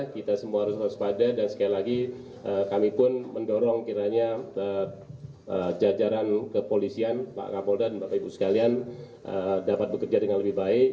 kita semua harus waspada dan sekali lagi kami pun mendorong kiranya jajaran kepolisian pak kapolda dan bapak ibu sekalian dapat bekerja dengan lebih baik